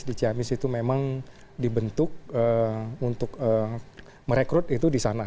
di ciamis itu memang dibentuk untuk merekrut itu di sana